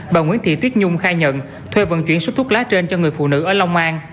bà nguyễn thị tuyết nhung khai nhận thuê vận chuyển số thuốc lá trên cho người phụ nữ ở long an